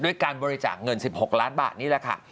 การบริจาคเงิน๑๖ล้านบาทนี่แหละค่ะ